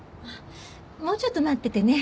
もうちょっと待っててね。